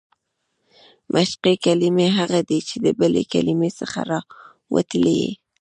مشقي کلیمې هغه دي، چي د بلي کلیمې څخه راوتلي يي.